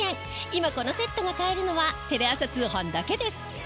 今このセットが買えるのはテレ朝通販だけです。